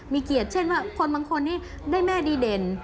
มีเกียรติเช่นว่าคนบางคนนี้ได้แม่ดีเด่น